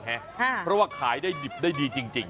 เพราะว่าขายได้ดีจริง